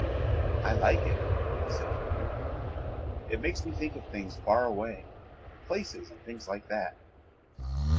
"I like it," he said gently. "It makes me think of things far away, places and things like that."